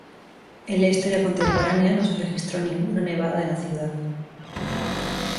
En la historia contemporánea no se registró ninguna nevada en la ciudad.